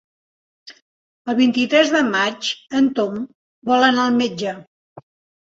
El vint-i-tres de maig en Tom vol anar al metge.